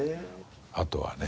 あとはね